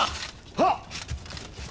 はっ！